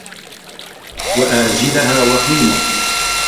وَآجِلَهَا وَخِيمٌ